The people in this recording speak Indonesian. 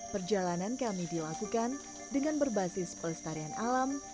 perjalanan kami dilakukan dengan berbasis pelestarian alam